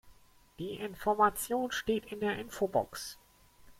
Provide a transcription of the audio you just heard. Die Information steht in der Infobox.